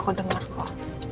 aku dengar kok